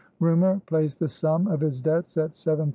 Rumor placed the sum of his debts at £7000.